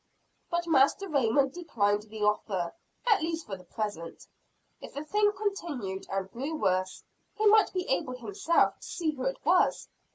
But Master Raymond declined the offer at least for the present. If the thing continued, and grew worse, he might be able himself to see who it was.